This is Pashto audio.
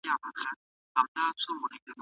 ایا دولت د کمزورتیا لاملونه پېژني؟